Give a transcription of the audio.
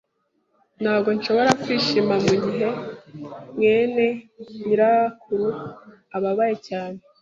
Ntabwo nshobora kwishima mugihe mwene nyirakuru ababaye cyane.